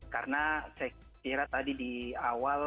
karena saya kira tadi di awal